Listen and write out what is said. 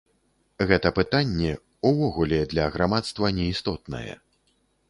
Гэта пытанне, увогуле, для грамадства не істотнае.